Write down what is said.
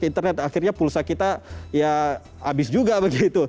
internet akhirnya pulsa kita ya habis juga begitu